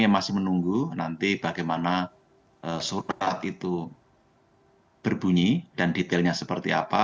kami masih menunggu nanti bagaimana surat itu berbunyi dan detailnya seperti apa